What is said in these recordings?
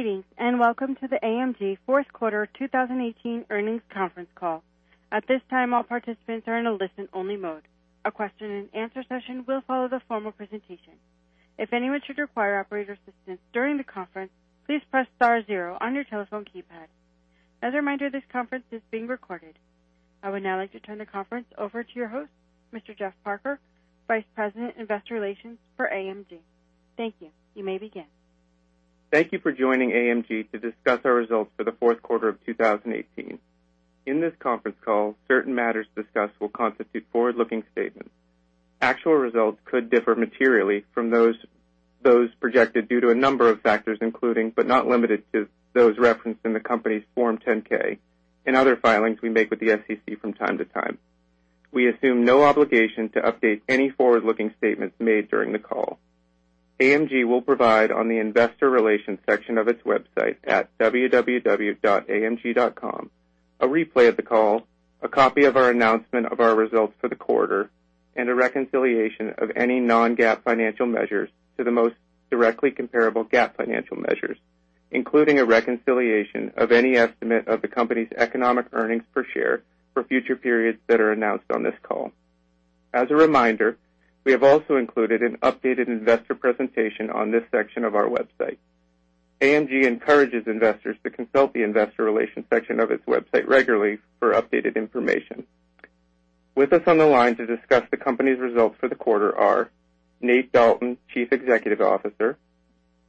Greetings, welcome to the AMG fourth quarter 2018 earnings conference call. At this time, all participants are in a listen-only mode. A question and answer session will follow the formal presentation. If anyone should require operator assistance during the conference, please press star zero on your telephone keypad. As a reminder, this conference is being recorded. I would now like to turn the conference over to your host, Mr. Jeff Parker, Vice President, investor relations for AMG. Thank you. You may begin. Thank you for joining AMG to discuss our results for the fourth quarter of 2018. In this conference call, certain matters discussed will constitute forward-looking statements. Actual results could differ materially from those projected due to a number of factors, including, but not limited to, those referenced in the company's Form 10-K and other filings we make with the SEC from time to time. We assume no obligation to update any forward-looking statements made during the call. AMG will provide on the investor relations section of its website at www.amg.com, a replay of the call, a copy of our announcement of our results for the quarter, and a reconciliation of any non-GAAP financial measures to the most directly comparable GAAP financial measures, including a reconciliation of any estimate of the company's economic earnings per share for future periods that are announced on this call. As a reminder, we have also included an updated investor presentation on this section of our website. AMG encourages investors to consult the investor relations section of its website regularly for updated information. With us on the line to discuss the company's results for the quarter are Nate Dalton, Chief Executive Officer,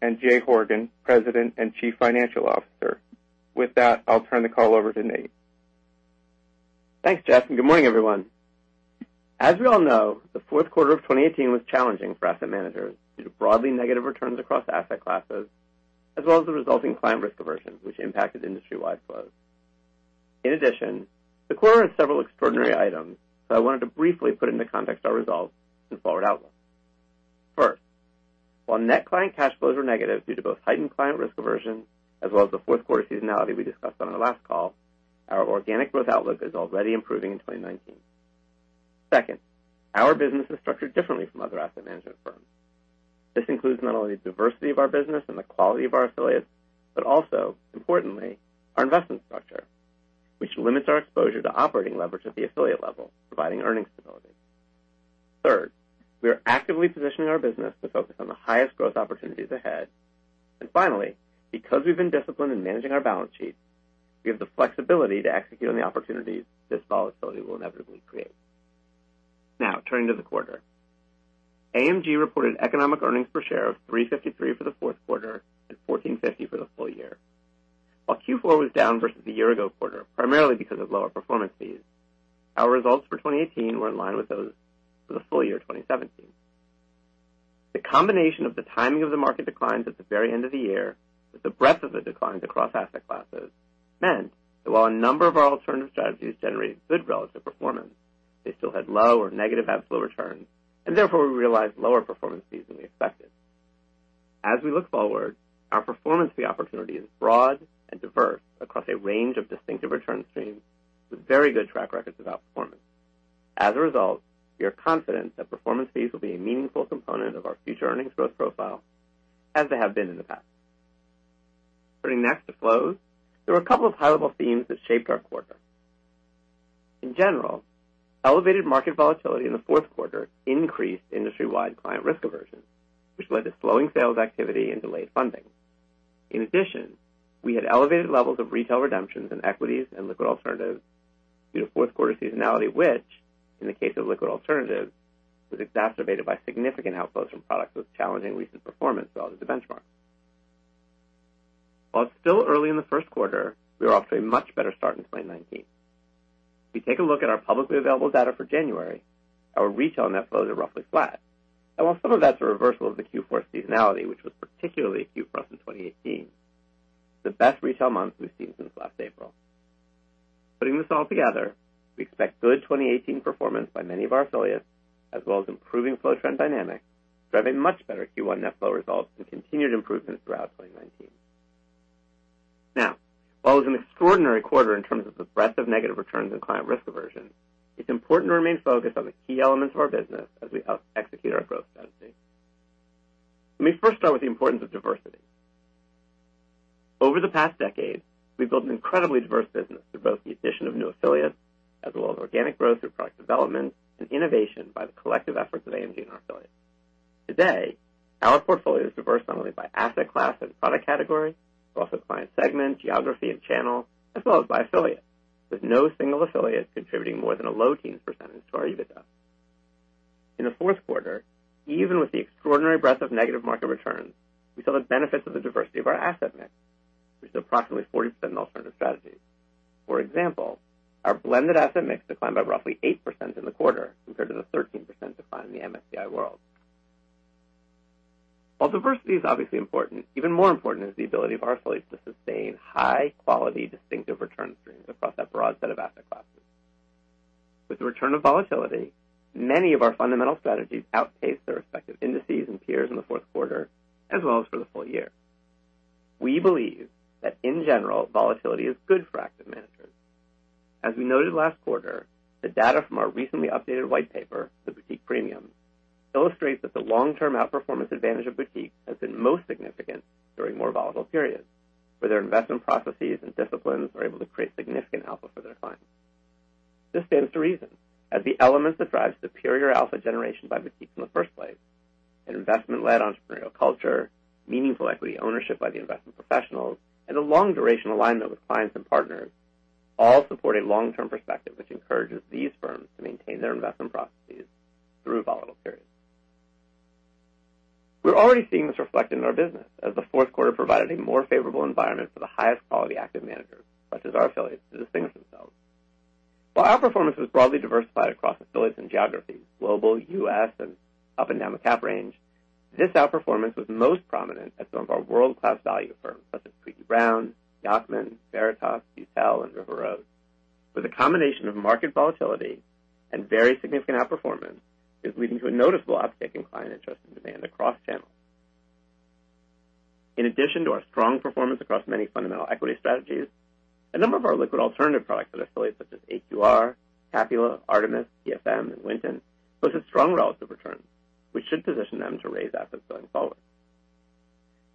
and Jay Horgen, President and Chief Financial Officer. With that, I'll turn the call over to Nate. Thanks, Jeff, and good morning, everyone. As we all know, the fourth quarter of 2018 was challenging for asset managers due to broadly negative returns across asset classes, as well as the resulting client risk aversion, which impacted industry-wide flows. In addition, the quarter had several extraordinary items. I wanted to briefly put into context our results and forward outlook. First, while net client cash flows were negative due to both heightened client risk aversion as well as the fourth quarter seasonality we discussed on our last call, our organic growth outlook is already improving in 2019. Second, our business is structured differently from other asset management firms. This includes not only the diversity of our business and the quality of our affiliates, but also, importantly, our investment structure, which limits our exposure to operating leverage at the affiliate level, providing earnings stability. Third, we are actively positioning our business to focus on the highest growth opportunities ahead. Finally, because we've been disciplined in managing our balance sheet, we have the flexibility to execute on the opportunities this volatility will inevitably create. Turning to the quarter. AMG reported economic earnings per share of $3.53 for the fourth quarter and $14.50 for the full year. While Q4 was down versus the year-ago quarter, primarily because of lower performance fees, our results for 2018 were in line with those for the full year 2017. The combination of the timing of the market declines at the very end of the year with the breadth of the declines across asset classes meant that while a number of our alternative strategies generated good relative performance, they still had low or negative absolute returns. Therefore, we realized lower performance fees than we expected. As we look forward, our performance fee opportunity is broad and diverse across a range of distinctive return streams with very good track records of outperformance. As a result, we are confident that performance fees will be a meaningful component of our future earnings growth profile as they have been in the past. Turning next to flows. There were a couple of high-level themes that shaped our quarter. In general, elevated market volatility in the fourth quarter increased industry-wide client risk aversion, which led to slowing sales activity and delayed funding. In addition, we had elevated levels of retail redemptions in equities and liquid alternatives due to fourth quarter seasonality, which, in the case of liquid alternatives, was exacerbated by significant outflows from products with challenging recent performance relative to benchmarks. While it's still early in the first quarter, we are off to a much better start in 2019. If you take a look at our publicly available data for January, our retail net flows are roughly flat. While some of that's a reversal of the Q4 seasonality, which was particularly acute for us in 2018, it's the best retail month we've seen since last April. Putting this all together, we expect good 2018 performance by many of our affiliates, as well as improving flow trend dynamics, driving much better Q1 net flow results and continued improvements throughout 2019. While it was an extraordinary quarter in terms of the breadth of negative returns and client risk aversion, it's important to remain focused on the key elements of our business as we help execute our growth strategy. Let me first start with the importance of diversity. Over the past decade, we've built an incredibly diverse business through both the addition of new affiliates as well as organic growth through product development and innovation by the collective efforts of AMG and our affiliates. Today, our portfolio is diverse not only by asset class and product category, but also client segment, geography, and channel, as well as by affiliate, with no single affiliate contributing more than a low teens percentage to our EBITDA. In the fourth quarter, even with the extraordinary breadth of negative market returns, we saw the benefits of the diversity of our asset mix, which is approximately 40% in alternative strategies. For example, our blended asset mix declined by roughly 8% in the quarter compared to the 13% decline in the MSCI World. While diversity is obviously important, even more important is the ability of our affiliates to sustain high-quality, distinctive return streams across that broad set of asset classes. With the return of volatility, many of our fundamental strategies outpaced their respective indices and peers in the fourth quarter, as well as for the full year. We believe that in general, volatility is good for active managers. As we noted last quarter, the data from our recently updated white paper, The Boutique Premium, illustrates that the long-term outperformance advantage of boutiques has been most significant during more volatile periods, where their investment processes and disciplines are able to create significant alpha for their clients. This stands to reason, as the elements that drive superior alpha generation by boutiques in the first place, an investment-led entrepreneurial culture, meaningful equity ownership by the investment professionals, and a long duration alignment with clients and partners all support a long-term perspective which encourages these firms to maintain their investment processes through volatile periods. We're already seeing this reflected in our business, as the fourth quarter provided a more favorable environment for the highest quality active managers, such as our affiliates, to distinguish themselves. While outperformance was broadly diversified across affiliates and geographies, global, U.S., and up and down the cap range, this outperformance was most prominent at some of our world-class value firms, such as Tweedy, Browne, Yacktman, Veritas, Beutel, and River Road, with a combination of market volatility and very significant outperformance is leading to a noticeable uptick in client interest and demand across channels. In addition to our strong performance across many fundamental equity strategies, a number of our liquid alternative products at affiliates such as AQR, Capula, Artemis, EFM, and Winton posted strong relative returns. We should position them to raise assets going forward.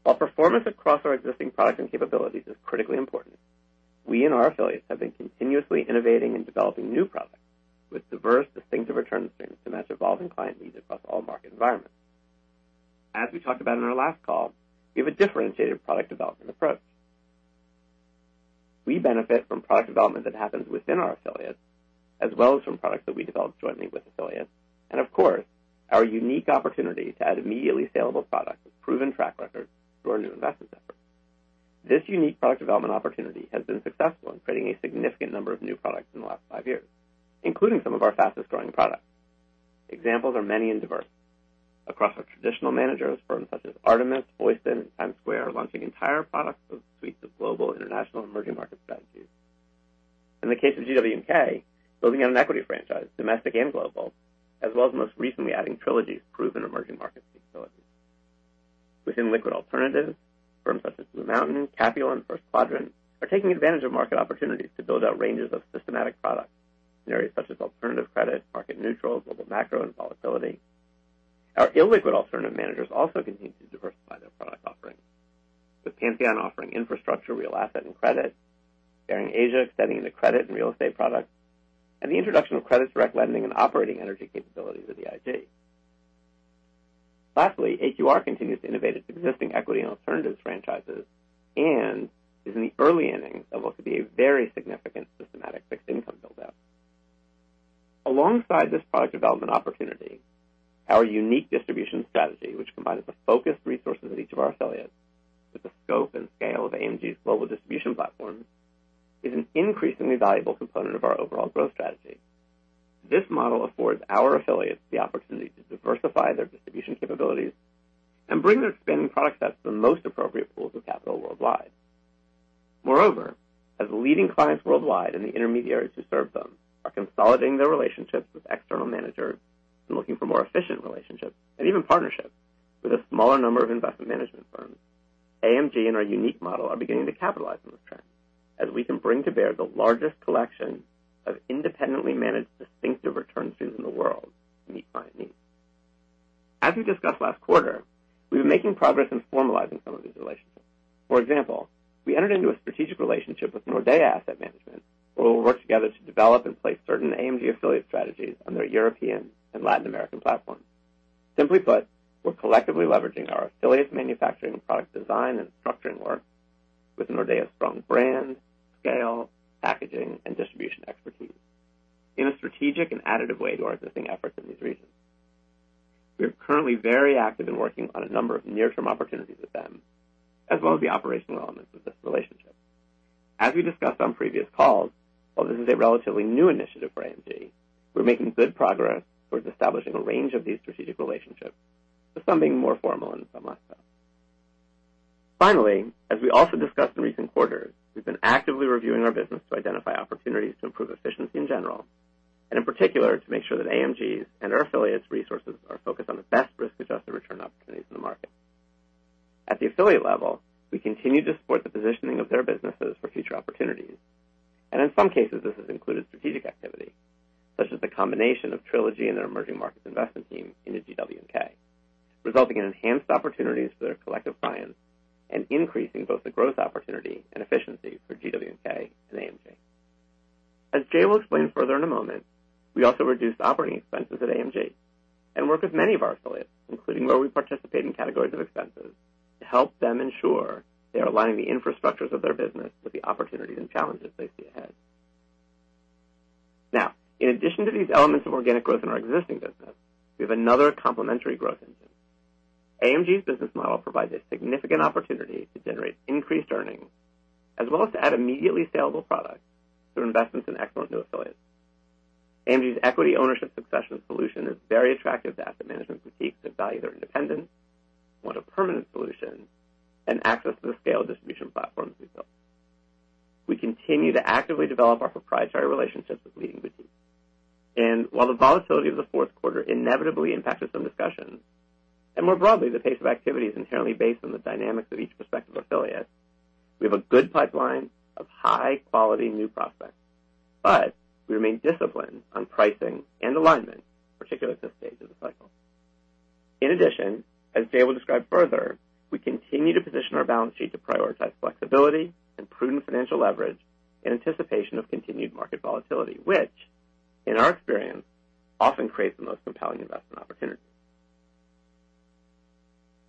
While performance across our existing products and capabilities is critically important, we and our affiliates have been continuously innovating and developing new products with diverse, distinctive return streams to match evolving client needs across all market environments. As we talked about on our last call, we have a differentiated product development approach. We benefit from product development that happens within our affiliates, as well as from products that we develop jointly with affiliates, and of course, our unique opportunity to add immediately saleable products with proven track records through our new investment efforts. This unique product development opportunity has been successful in creating a significant number of new products in the last five years, including some of our fastest-growing products. Examples are many and diverse. Across our traditional managers, firms such as Artemis, Foyston, and TimesSquare are launching entire product suites of global, international, and emerging market strategies. In the case of GW&K, building on an equity franchise, domestic and global, as well as most recently adding Trilogy's proven emerging market capabilities. Within liquid alternatives, firms such as BlueMountain, Capula, and First Quadrant are taking advantage of market opportunities to build out ranges of systematic products in areas such as alternative credit, market neutral, global macro, and volatility. Our illiquid alternative managers also continue to diversify their product offerings, with Pantheon offering infrastructure, real asset, and credit, Baring Asia extending into credit and real estate products, and the introduction of credit direct lending and operating energy capabilities at EIG. Lastly, AQR continues to innovate its existing equity and alternatives franchises and is in the early innings of what could be a very significant systematic fixed income build-out. Alongside this product development opportunity, our unique distribution strategy, which combines the focused resources of each of our affiliates with the scope and scale of AMG's global distribution platform, is an increasingly valuable component of our overall growth strategy. This model affords our affiliates the opportunity to diversify their distribution capabilities and bring their expanding product sets to the most appropriate pools of capital worldwide. Moreover, as leading clients worldwide and the intermediaries who serve them are consolidating their relationships with external managers and looking for more efficient relationships, and even partnerships, with a smaller number of investment management firms, AMG and our unique model are beginning to capitalize on this trend, as we can bring to bear the largest collection of independently managed distinctive return streams in the world to meet client needs. As we discussed last quarter, we were making progress in formalizing some of these relationships. For example, we entered into a strategic relationship with Nordea Asset Management, where we'll work together to develop and place certain AMG affiliate strategies on their European and Latin American platforms. Simply put, we're collectively leveraging our affiliates' manufacturing and product design and structuring work with Nordea's strong brand, scale, packaging, and distribution expertise in a strategic and additive way to our existing efforts in these regions. We are currently very active in working on a number of near-term opportunities with them, as well as the operational elements of this relationship. As we discussed on previous calls, while this is a relatively new initiative for AMG, we're making good progress towards establishing a range of these strategic relationships, with some being more formal and some less so. Finally, as we also discussed in recent quarters, we've been actively reviewing our business to identify opportunities to improve efficiency in general, and in particular, to make sure that AMG's and our affiliates' resources are focused on the best risk-adjusted return opportunities in the market. At the affiliate level, we continue to support the positioning of their businesses for future opportunities. In some cases, this has included strategic activity, such as the combination of Trilogy and their emerging markets investment team into GW&K, resulting in enhanced opportunities for their collective clients and increasing both the growth opportunity and efficiency for GW&K and AMG. As Jay will explain further in a moment, we also reduced operating expenses at AMG and work with many of our affiliates, including where we participate in categories of expenses, to help them ensure they are aligning the infrastructures of their business with the opportunities and challenges they see ahead. In addition to these elements of organic growth in our existing business, we have another complementary growth engine. AMG's business model provides a significant opportunity to generate increased earnings, as well as to add immediately salable products through investments in excellent new affiliates. AMG's equity ownership succession solution is very attractive to asset management boutiques that value their independence, want a permanent solution, and access to the scaled distribution platforms we've built. We continue to actively develop our proprietary relationships with leading boutiques. While the volatility of the fourth quarter inevitably impacted some discussions, and more broadly the pace of activity is inherently based on the dynamics of each respective affiliate, we have a good pipeline of high-quality new prospects. We remain disciplined on pricing and alignment, particularly at this stage of the cycle. In addition, as Jay will describe further, we continue to position our balance sheet to prioritize flexibility and prudent financial leverage in anticipation of continued market volatility, which, in our experience, often creates the most compelling investment opportunities.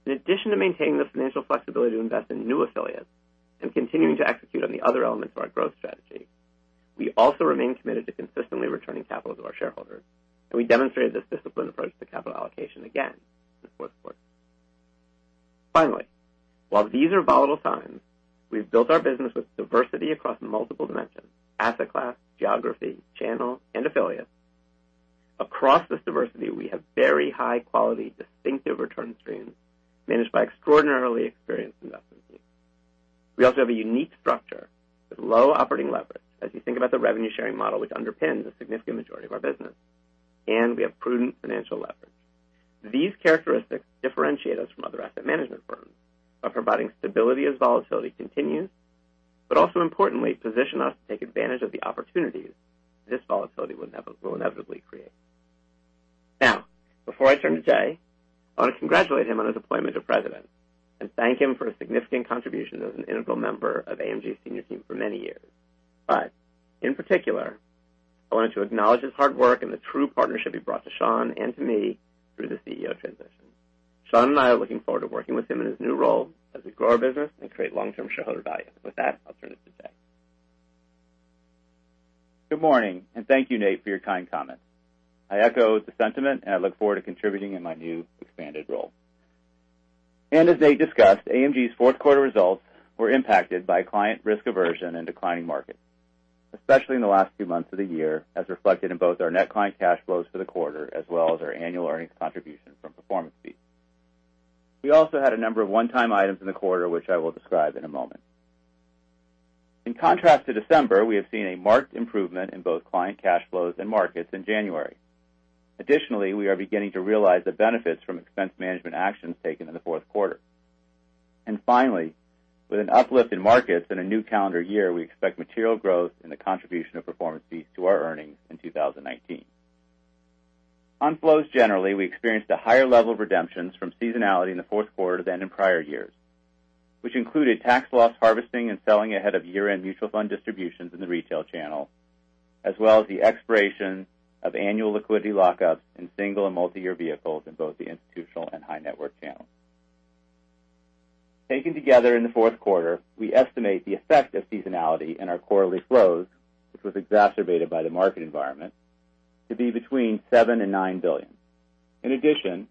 In addition to maintaining the financial flexibility to invest in new affiliates and continuing to execute on the other elements of our growth strategy, we also remain committed to consistently returning capital to our shareholders, and we demonstrated this disciplined approach to capital allocation again in the fourth quarter. Finally, while these are volatile times, we've built our business with diversity across multiple dimensions, asset class, geography, channel, and affiliates. Across this diversity, we have very high-quality, distinctive return streams managed by extraordinarily experienced investment teams. We also have a unique structure with low operating leverage as you think about the revenue-sharing model which underpins a significant majority of our business, and we have prudent financial leverage. These characteristics differentiate us from other asset management firms by providing stability as volatility continues, but also importantly position us to take advantage of the opportunities this volatility will inevitably create. Before I turn to Jay, I want to congratulate him on his appointment to President and thank him for his significant contribution as an integral member of AMG's senior team for many years. In particular, I wanted to acknowledge his hard work and the true partnership he brought to Sean and to me through the CEO transition. Sean and I are looking forward to working with him in his new role as we grow our business and create long-term shareholder value. With that, I'll turn it to Jay. Good morning, and thank you, Nate, for your kind comments. I echo the sentiment, and I look forward to contributing in my new expanded role. As Nate discussed, AMG's fourth quarter results were impacted by client risk aversion and declining markets, especially in the last few months of the year, as reflected in both our net client cash flows for the quarter as well as our annual earnings contribution from performance fees. We also had a number of one-time items in the quarter, which I will describe in a moment. In contrast to December, we have seen a marked improvement in both client cash flows and markets in January. Additionally, we are beginning to realize the benefits from expense management actions taken in the fourth quarter. Finally, with an uplift in markets in a new calendar year, we expect material growth in the contribution of performance fees to our earnings in 2019. On flows, generally, we experienced a higher level of redemptions from seasonality in the fourth quarter than in prior years, which included tax loss harvesting and selling ahead of year-end mutual fund distributions in the retail channel, as well as the expiration of annual liquidity lockups in single and multi-year vehicles in both the institutional and high-net-worth channels. Taken together in the fourth quarter, we estimate the effect of seasonality in our quarterly flows, which was exacerbated by the market environment, to be between $7 billion and $9 billion. In addition,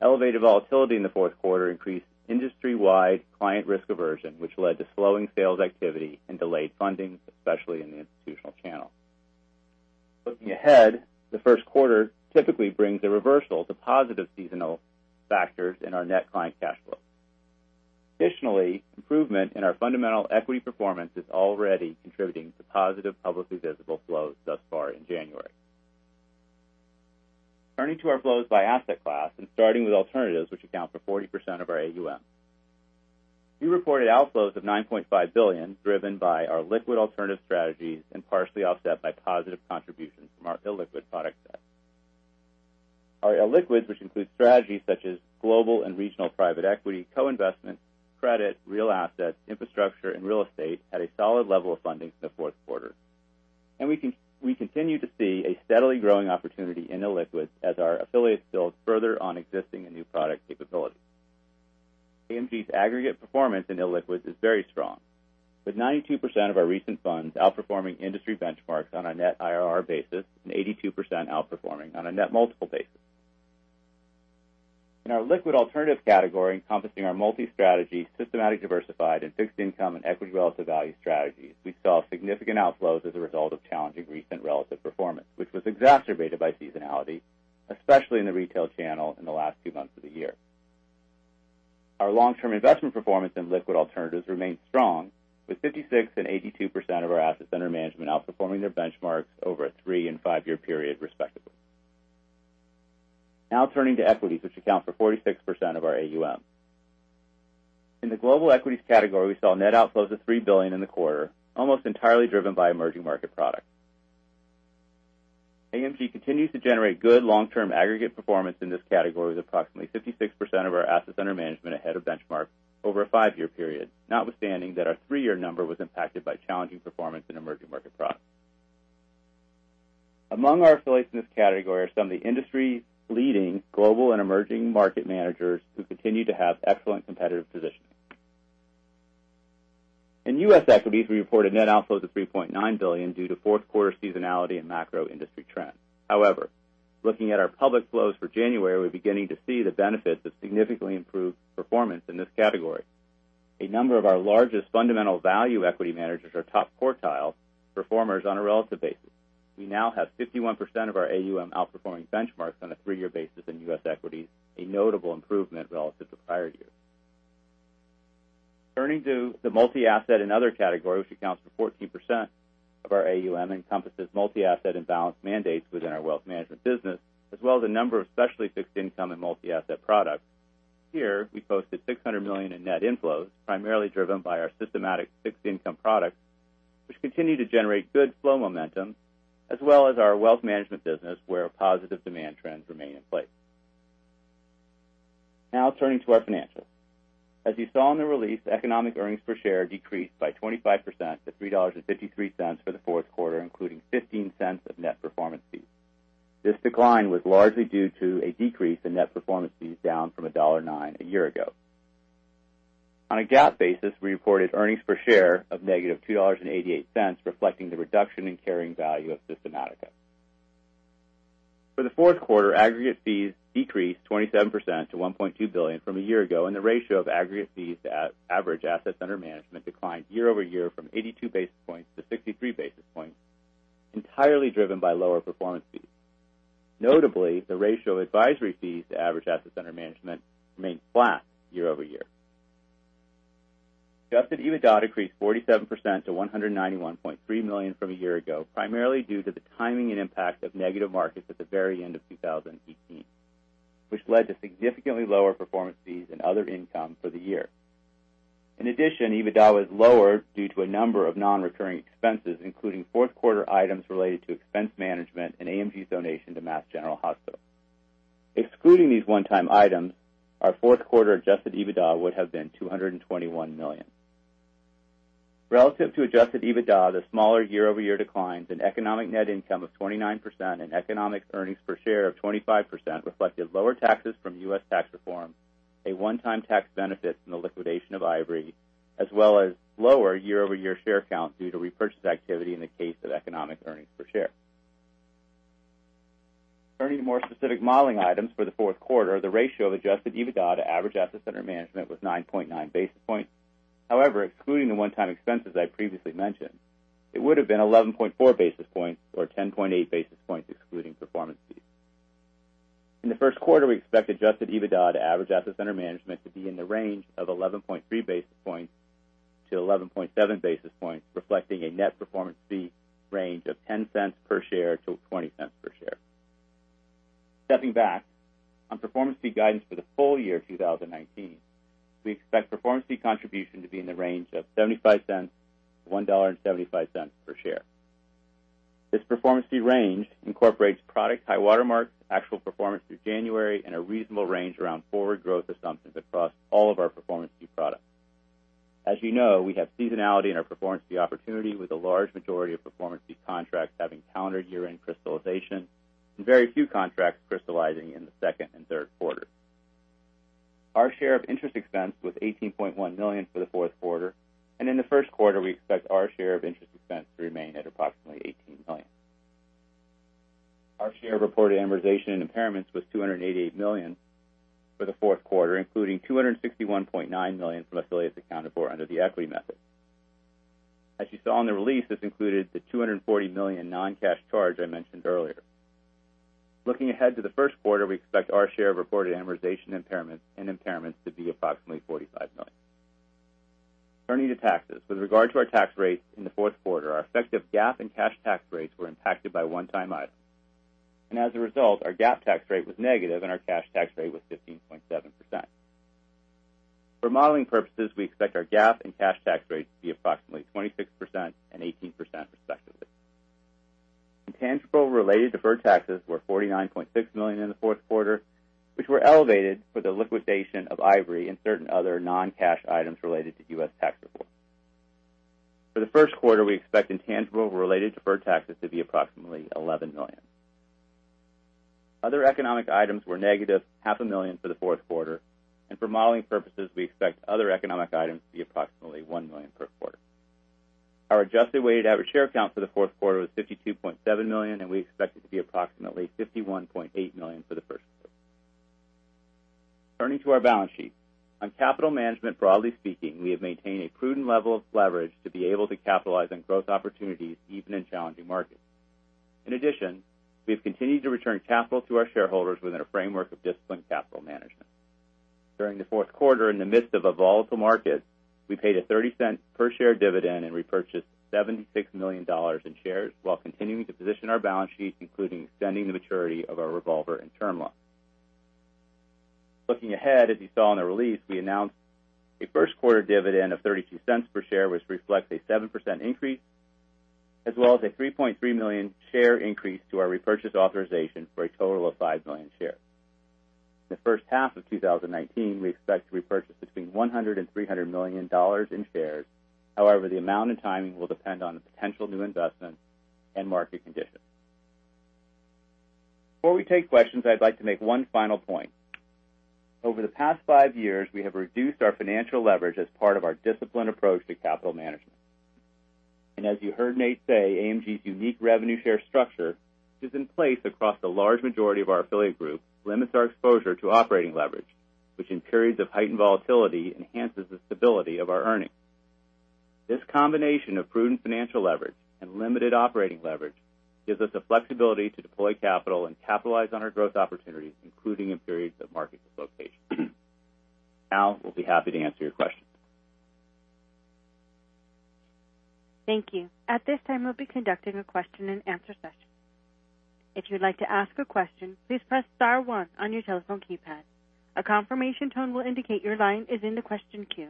elevated volatility in the fourth quarter increased industry-wide client risk aversion, which led to slowing sales activity and delayed funding, especially in the institutional channel. Looking ahead, the first quarter typically brings a reversal to positive seasonal factors in our net client cash flow. Additionally, improvement in our fundamental equity performance is already contributing to positive publicly visible flows thus far in January. Turning to our flows by asset class and starting with alternatives, which account for 40% of our AUM. We reported outflows of $9.5 billion, driven by our liquid alternative strategies and partially offset by positive contributions from our illiquid product set. Our illiquids, which include strategies such as global and regional private equity, co-investment, credit, real assets, infrastructure, and real estate, had a solid level of funding in the fourth quarter. We continue to see a steadily growing opportunity in illiquids as our affiliates build further on existing and new product capabilities. AMG's aggregate performance in illiquids is very strong, with 92% of our recent funds outperforming industry benchmarks on a net IRR basis and 82% outperforming on a net multiple basis. In our liquid alternative category, encompassing our multi-strategy, systematic diversified, and fixed income and equity relative value strategies, we saw significant outflows as a result of challenging recent relative performance, which was exacerbated by seasonality, especially in the retail channel in the last few months of the year. Our long-term investment performance in liquid alternatives remains strong with 56% and 82% of our assets under management outperforming their benchmarks over a three and five-year period respectively. Now turning to equities, which account for 46% of our AUM. In the global equities category, we saw net outflows of $3 billion in the quarter, almost entirely driven by emerging market products. AMG continues to generate good long-term aggregate performance in this category with approximately 56% of our assets under management ahead of benchmark over a five-year period, notwithstanding that our three-year number was impacted by challenging performance in emerging market products. Among our affiliates in this category are some of the industry's leading global and emerging market managers who continue to have excellent competitive positioning. In U.S. equities, we reported net outflows of $3.9 billion due to fourth quarter seasonality and macro industry trends. Looking at our public flows for January, we're beginning to see the benefits of significantly improved performance in this category. A number of our largest fundamental value equity managers are top quartile performers on a relative basis. We now have 51% of our AUM outperforming benchmarks on a three-year basis in U.S. equities, a notable improvement relative to prior years. Turning to the multi-asset and other category, which accounts for 14% of our AUM, encompasses multi-asset and balanced mandates within our wealth management business, as well as a number of specialty fixed income and multi-asset products. Here, we posted $600 million in net inflows, primarily driven by our systematic fixed income products, which continue to generate good flow momentum, as well as our wealth management business, where positive demand trends remain in place. Turning to our financials. As you saw in the release, economic earnings per share decreased by 25% to $3.53 for the fourth quarter, including $0.15 of net performance fees. This decline was largely due to a decrease in net performance fees, down from $1.09 a year ago. On a GAAP basis, we reported earnings per share of negative $2.88, reflecting the reduction in carrying value of Systematica. For the fourth quarter, aggregate fees decreased 27% to $1.2 billion from a year ago. The ratio of aggregate fees to average assets under management declined year-over-year from 82 basis points to 63 basis points, entirely driven by lower performance fees. Notably, the ratio of advisory fees to average assets under management remained flat year-over-year. Adjusted EBITDA decreased 47% to $191.3 million from a year ago, primarily due to the timing and impact of negative markets at the very end of 2018, which led to significantly lower performance fees and other income for the year. EBITDA was lower due to a number of non-recurring expenses, including fourth-quarter items related to expense management and AMG's donation to Massachusetts General Hospital. Excluding these one-time items, our fourth quarter adjusted EBITDA would have been $221 million. Relative to Adjusted EBITDA, the smaller year-over-year declines in economic net income of 29% and economic earnings per share of 25% reflected lower taxes from U.S. tax reform, a one-time tax benefit from the liquidation of Ivory, as well as lower year-over-year share count due to repurchase activity in the case of economic earnings per share. Turning to more specific modeling items for the fourth quarter, the ratio of Adjusted EBITDA to average assets under management was 9.9 basis points. Excluding the one-time expenses I previously mentioned, it would have been 11.4 basis points or 10.8 basis points excluding performance fees. In the first quarter, we expect Adjusted EBITDA to average assets under management to be in the range of 11.3 basis points to 11.7 basis points, reflecting a net performance fee range of $0.10 per share to $0.20 per share. Stepping back, on performance fee guidance for the full year 2019, we expect performance fee contribution to be in the range of $0.75-$1.75 per share. This performance fee range incorporates product high water marks, actual performance through January, and a reasonable range around forward growth assumptions across all of our performance fee products. As you know, we have seasonality in our performance fee opportunity, with a large majority of performance fee contracts having calendar year-end crystallization and very few contracts crystallizing in the second and third quarters. Our share of interest expense was $18.1 million for the fourth quarter, and in the first quarter, we expect our share of interest expense to remain at approximately $18 million. Our share of reported amortization and impairments was $288 million for the fourth quarter, including $261.9 million from affiliates accounted for under the equity method. As you saw in the release, this included the $240 million non-cash charge I mentioned earlier. Looking ahead to the first quarter, we expect our share of reported amortization and impairments to be approximately $45 million. Turning to taxes. With regard to our tax rates in the fourth quarter, our effective GAAP and cash tax rates were impacted by one-time items. As a result, our GAAP tax rate was negative and our cash tax rate was 15.7%. For modeling purposes, we expect our GAAP and cash tax rates to be approximately 26% and 18%, respectively. Intangible-related deferred taxes were $49.6 million in the fourth quarter, which were elevated for the liquidation of Ivory and certain other non-cash items related to U.S. tax reform. For the first quarter, we expect intangible-related deferred taxes to be approximately $11 million. Other economic items were negative half a million for the fourth quarter. For modeling purposes, we expect other economic items to be approximately $1 million per quarter. Our adjusted weighted average share count for the fourth quarter was 52.7 million, and we expect it to be approximately 51.8 million for the first quarter. Turning to our balance sheet. On capital management, broadly speaking, we have maintained a prudent level of leverage to be able to capitalize on growth opportunities even in challenging markets. In addition, we have continued to return capital to our shareholders within a framework of disciplined capital management. During the fourth quarter, in the midst of a volatile market, we paid a $0.30 per share dividend and repurchased $76 million in shares while continuing to position our balance sheet, including extending the maturity of our revolver and term loan. Looking ahead, as you saw in the release, we announced a first-quarter dividend of $0.32 per share, which reflects a 7% increase, as well as a 3.3 million share increase to our repurchase authorization for a total of five million shares. In the first half of 2019, we expect to repurchase between $100 million and $300 million in shares. However, the amount and timing will depend on potential new investments and market conditions. Before we take questions, I'd like to make one final point. Over the past five years, we have reduced our financial leverage as part of our disciplined approach to capital management. As you heard Nate say, AMG's unique revenue share structure, which is in place across the large majority of our affiliate group, limits our exposure to operating leverage, which in periods of heightened volatility enhances the stability of our earnings. This combination of prudent financial leverage and limited operating leverage gives us the flexibility to deploy capital and capitalize on our growth opportunities, including in periods of market dislocation. We'll be happy to answer your questions. Thank you. At this time, we'll be conducting a question and answer session. If you'd like to ask a question, please press star one on your telephone keypad. A confirmation tone will indicate your line is in the question queue.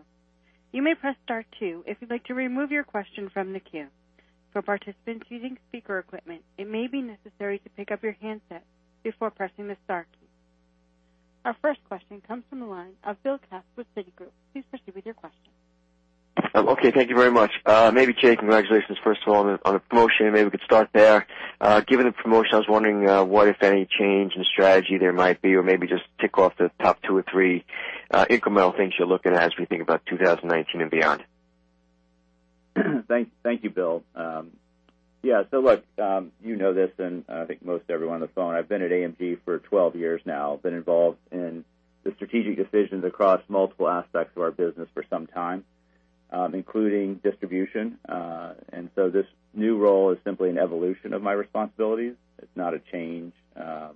You may press star two if you'd like to remove your question from the queue. For participants using speaker equipment, it may be necessary to pick up your handset before pressing the star key. Our first question comes from the line of William Katz with Citigroup. Please proceed with your question. Thank you very much. Jay, congratulations, first of all, on the promotion. Maybe we could start there. Given the promotion, I was wondering what, if any, change in strategy there might be, or maybe just tick off the top two or three incremental things you're looking at as we think about 2019 and beyond. Thank you, Bill. You know this, and I think most everyone on the phone. I've been at AMG for 12 years now. I've been involved in the strategic decisions across multiple aspects of our business for some time, including distribution. This new role is simply an evolution of my responsibilities. It's not a change or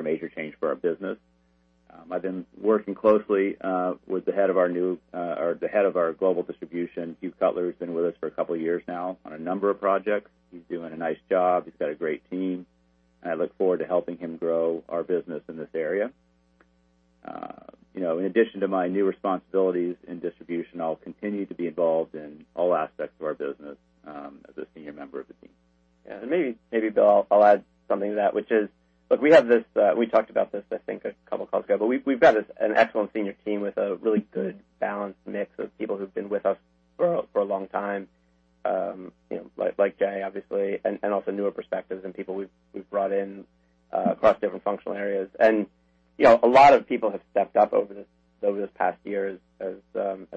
a major change for our business. I've been working closely with the head of our Global Distribution, Hugh Cutler, who's been with us for a couple of years now on a number of projects. He's doing a nice job. He's got a great team, and I look forward to helping him grow our business in this area. In addition to my new responsibilities in distribution, I'll continue to be involved in all aspects of our business as a senior member of the team. Yeah. Maybe, Bill, I'll add something to that, which is, look, we talked about this, I think, a couple of calls ago, but we've got an excellent senior team with a really good balanced mix of people who've been with us for a long time like Jay, obviously, and also newer perspectives and people we've brought in across different functional areas. A lot of people have stepped up over this past year as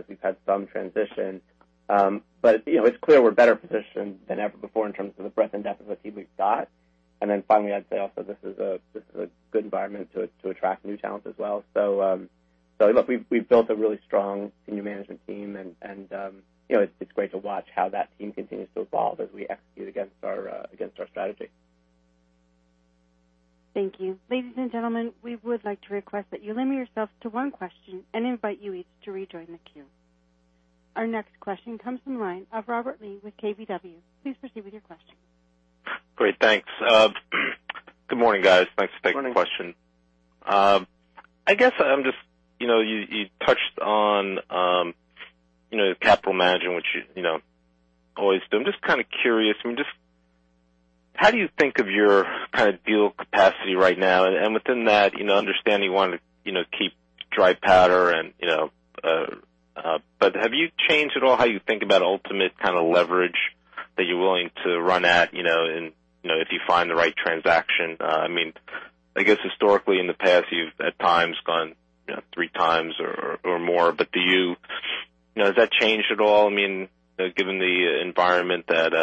we've had some transition. It's clear we're better positioned than ever before in terms of the breadth and depth of the team we've got. Then finally, I'd say also, this is a good environment to attract new talent as well. Look, we've built a really strong senior management team, and it's great to watch how that team continues to evolve as we execute against our strategy. Thank you. Ladies and gentlemen, we would like to request that you limit yourself to one question and invite you each to rejoin the queue. Our next question comes from the line of Robert Lee with KBW. Please proceed with your question. Great. Thanks. Good morning, guys. Thanks for taking the question. Good morning. You touched on capital management, which you always do. I'm just kind of curious. How do you think of your kind of deal capacity right now? Within that, understanding you want to keep dry powder. Have you changed at all how you think about ultimate kind of leverage that you're willing to run at if you find the right transaction? I guess historically in the past, you've at times gone three times or more. Has that changed at all, given the environment that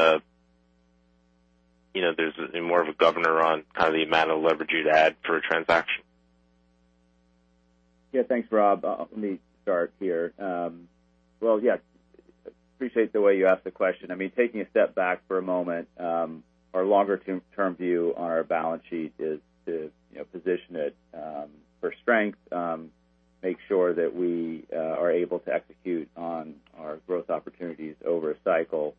there's more of a governor on the amount of leverage you'd add for a transaction? Yeah. Thanks, Rob. Let me start here. I appreciate the way you asked the question. Taking a step back for a moment, our longer-term view on our balance sheet is to position it for strength, make sure that we are able to execute on our growth opportunities over a cycle.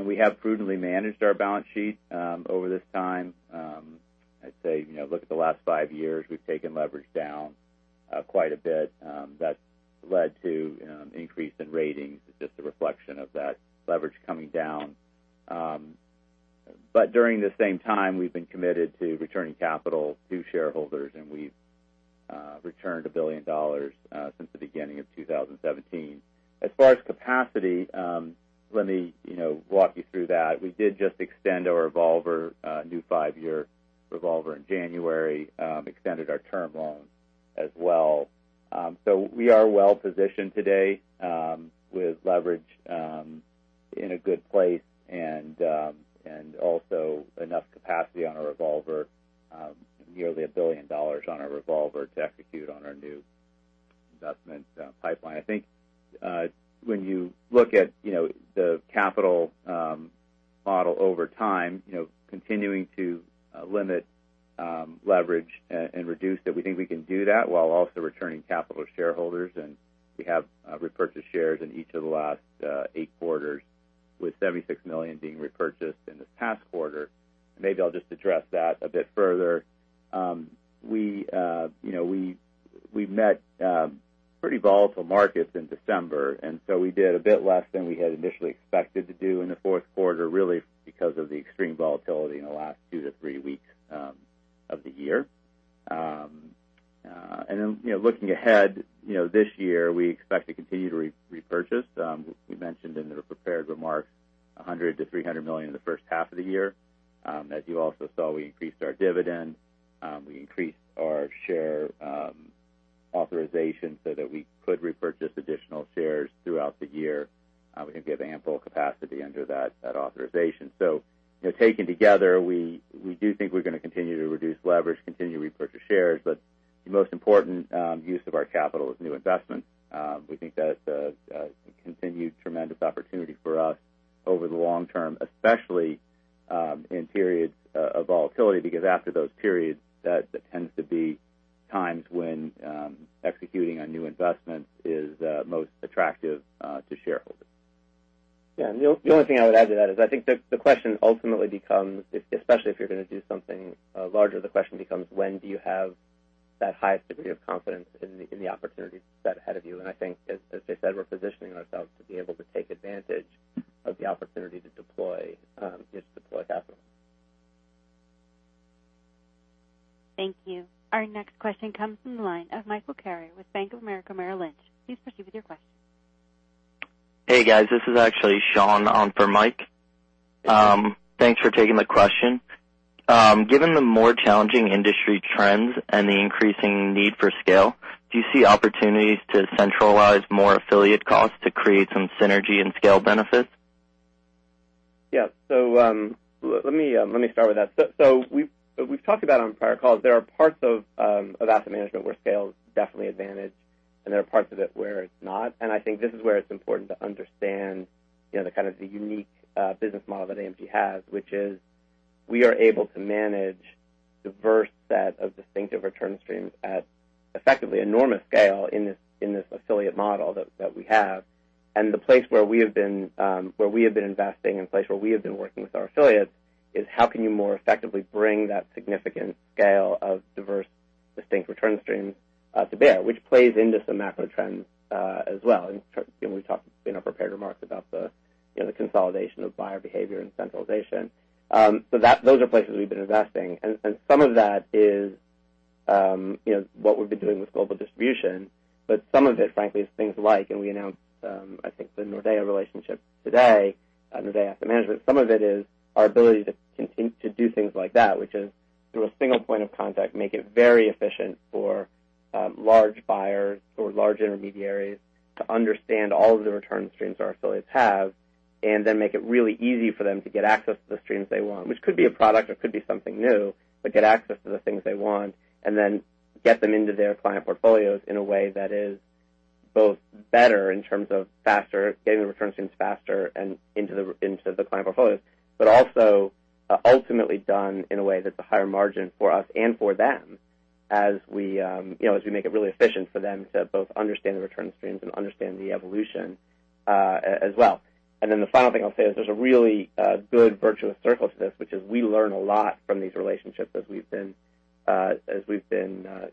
We have prudently managed our balance sheet over this time. I'd say, look at the last five years. We've taken leverage down quite a bit. That's led to an increase in ratings. It's just a reflection of that leverage coming down. During the same time, we've been committed to returning capital to shareholders. We've returned $1 billion since the beginning of 2017. As far as capacity, let me walk you through that. We did just extend our revolver, a new five-year revolver in January, extended our term loan as well. We are well positioned today with leverage in a good place, also enough capacity on our revolver, nearly $1 billion on our revolver to execute on our new investment pipeline. I think when you look at the capital model over time, continuing to limit leverage and reduce it, we think we can do that while also returning capital to shareholders. We have repurchased shares in each of the last eight quarters, with $76 million being repurchased in this past quarter. Maybe I'll just address that a bit further. We met pretty volatile markets in December. We did a bit less than we had initially expected to do in the fourth quarter, really because of the extreme volatility in the last two to three weeks of the year. Looking ahead this year, we expect to continue to repurchase. We mentioned in the prepared remarks, $100 million to $300 million in the first half of the year. As you also saw, we increased our dividend. We increased our share authorization so that we could repurchase additional shares throughout the year. We have ample capacity under that authorization. Taken together, we do think we're going to continue to reduce leverage, continue to repurchase shares. The most important use of our capital is new investments. We think that it's a continued tremendous opportunity for us over the long term, especially in periods of volatility, because after those periods, that tends to be times when executing on new investments is most attractive to shareholders. Yeah. The only thing I would add to that is I think the question ultimately becomes, especially if you're going to do something larger, the question becomes when do you have that highest degree of confidence in the opportunities that are ahead of you? I think, as Jay said, we're positioning ourselves to be able to take advantage of the opportunity to deploy capital. Thank you. Our next question comes from the line of Michael Carrier with Bank of America Merrill Lynch. Please proceed with your question. Hey, guys. This is actually Sean on for Mike. Thanks for taking the question. Given the more challenging industry trends and the increasing need for scale, do you see opportunities to centralize more affiliate costs to create some synergy and scale benefits? Yeah. Let me start with that. We've talked about on prior calls, there are parts of asset management where scale is definitely advantage, and there are parts of it where it's not. I think this is where it's important to understand the unique business model that AMG has, which is we are able to manage diverse set of distinctive return streams at effectively enormous scale in this affiliate model that we have. The place where we have been investing and place where we have been working with our affiliates is how can you more effectively bring that significant scale of diverse, distinct return streams to bear, which plays into some macro trends as well. We talked in our prepared remarks about the consolidation of buyer behavior and centralization. Those are places we've been investing, some of that is what we've been doing with global distribution. Some of it, frankly, is things like, we announced, I think, the Nordea relationship today, Nordea Asset Management. Some of it is our ability to continue to do things like that, which is through a single point of contact, make it very efficient for large buyers or large intermediaries to understand all of the return streams our affiliates have, then make it really easy for them to get access to the streams they want, which could be a product or could be something new, but get access to the things they want, then get them into their client portfolios in a way that is both better in terms of getting the return streams faster and into the client portfolios. Also ultimately done in a way that's a higher margin for us and for them as we make it really efficient for them to both understand the return streams and understand the evolution as well. The final thing I'll say is there's a really good virtuous circle to this, which is we learn a lot from these relationships as we've been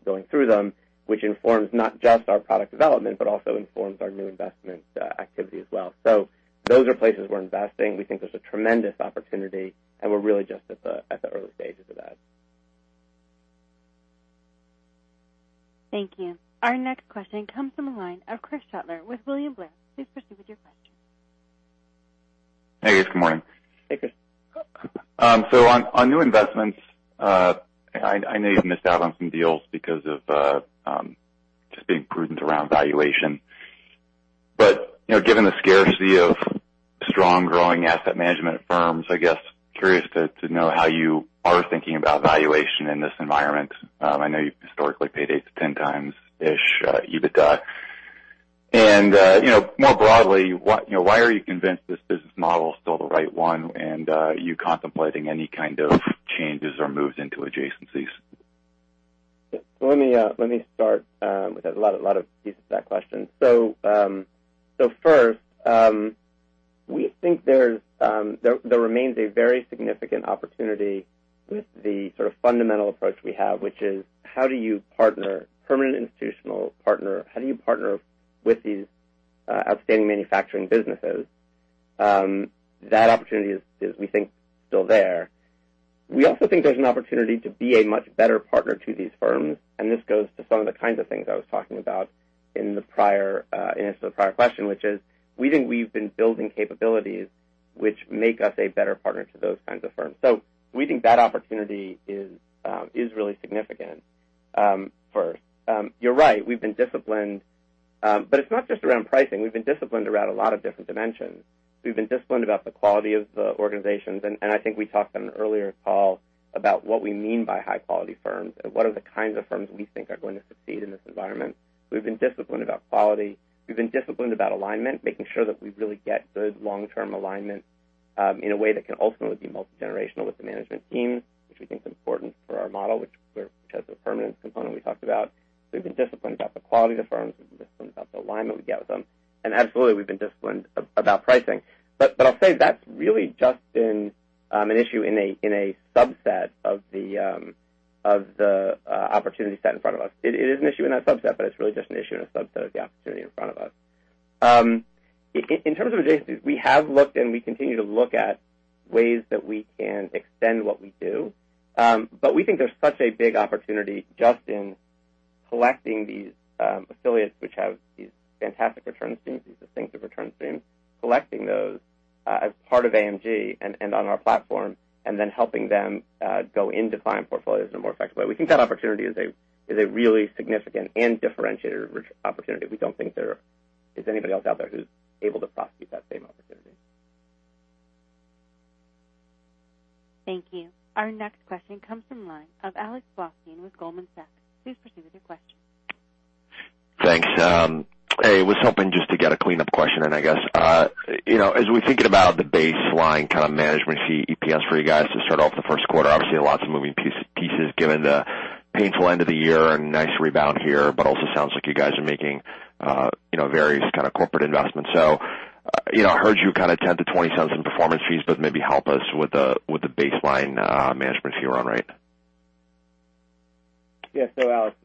going through them, which informs not just our product development, but also informs our new investment activity as well. Those are places we're investing. We think there's a tremendous opportunity, and we're really just at the early stages of that. Thank you. Our next question comes from the line of Chris Shutler with William Blair. Please proceed with your question. Hey, guys. Good morning. Hey, Chris. On new investments, I know you've missed out on some deals because of just being prudent around valuation. Given the scarcity of strong growing asset management firms, I guess curious to know how you are thinking about valuation in this environment. I know you've historically paid 8x-10x-ish EBITDA. More broadly, why are you convinced this business model is still the right one and are you contemplating any kind of changes or moves into adjacencies? Let me start with that. A lot of pieces to that question. First, we think there remains a very significant opportunity with the sort of fundamental approach we have, which is how do you partner, permanent institutional partner, how do you partner with these outstanding manufacturing businesses? That opportunity is, we think, still there. We also think there's an opportunity to be a much better partner to these firms. This goes to some of the kinds of things I was talking about in answer to the prior question, which is we think we've been building capabilities which make us a better partner to those kinds of firms. We think that opportunity is really significant first. You're right, we've been disciplined. It's not just around pricing. We've been disciplined around a lot of different dimensions. We've been disciplined about the quality of the organizations. I think we talked on an earlier call about what we mean by high-quality firms and what are the kinds of firms we think are going to succeed in this environment. We've been disciplined about quality. We've been disciplined about alignment, making sure that we really get good long-term alignment in a way that can ultimately be multi-generational with the management team, which we think is important for our model, which has a permanent component we talked about. We've been disciplined about the quality of the firms. We've been disciplined about the alignment we get with them. Absolutely, we've been disciplined about pricing. I'll say that's really just been an issue in a subset of the opportunity set in front of us. It is an issue in that subset, but it's really just an issue in a subset of the opportunity in front of us. In terms of adjacencies, we have looked and we continue to look at ways that we can extend what we do. We think there's such a big opportunity just in collecting these affiliates which have these fantastic return streams, these distinctive return streams, collecting those as part of AMG and on our platform, and then helping them go into client portfolios in a more effective way. We think that opportunity is a really significant and differentiator opportunity. We don't think there is anybody else out there who's able to prosecute that same opportunity. Thank you. Our next question comes from line of Alexander Blostein with Goldman Sachs. Please proceed with your question. Thanks. Hey, was hoping just to get a cleanup question in, I guess. As we're thinking about the baseline kind of management fee EPS for you guys to start off the first quarter, obviously, lots of moving pieces given the painful end of the year and nice rebound here, but also sounds like you guys are making various kind of corporate investments. I heard you kind of $0.10-$0.20 in performance fees, but maybe help us with the baseline management fee run rate. Yeah. Alex,